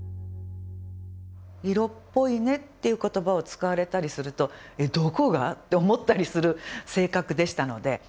「色っぽいね」っていう言葉を使われたりすると「えどこが？」って思ったりする性格でしたので。